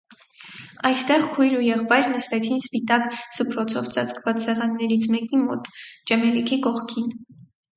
Այստեղ քույր ու եղբայր նստեցին սպիտակ սփռոցով ծածկված սեղաններից մեկի մոտ, ճեմելիքի կողքին: